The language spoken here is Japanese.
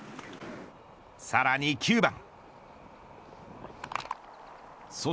さらに９番。